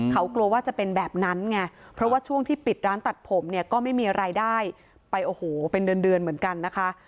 เขากลัวว่าจะเป็นแบบนั้นไงเพราะว่าช่วงที่ปิดร้านตัดผมเนี่ยก็ไม่มีรายได้ไปโอ้โหเป็นเดือนเดือนเหมือนกันนะคะ